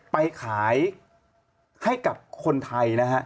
ไปขายให้กับคนไทยนะฮะ